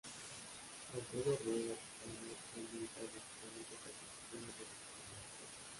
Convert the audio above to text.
Alfredo Rueda Quijano fue un militar mexicano que participó en la Revolución mexicana.